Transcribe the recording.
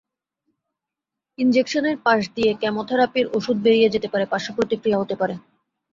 ইনজেকশনের পাশ দিয়ে কেমোথেরাপির ওষুধ বেরিয়ে যেতে পারে, পার্শ্বপ্রতিক্রিয়া হতে পারে।